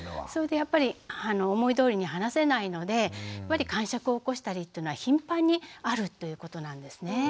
それでやっぱり思いどおりに話せないのでかんしゃくを起こしたりっていうのは頻繁にあるということなんですね。